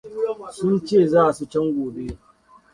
Sun ce za su can gobe.